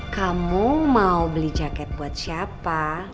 kamu mau beli jaket buat siapa